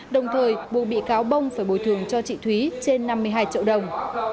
đồng thời buộc bị cáo bông phải bồi thường cho chị thúy trên năm mươi hai triệu đồng